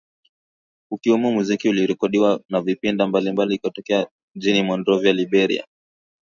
kukiwemo muziki uliorekodiwa na vipindi mbalimbali kutokea mjini Monrovia, Liberia